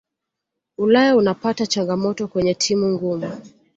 ulaya unapata changamoto kwenye timu ngumu